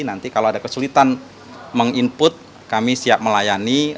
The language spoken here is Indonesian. nanti kalau ada kesulitan meng input kami siap melayani